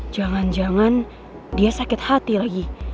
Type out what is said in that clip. jangan jangan dia sakit hati lagi